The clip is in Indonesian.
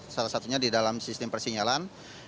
salah satunya di dalam sistem persinyalan